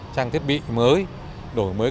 trang thiết bị mới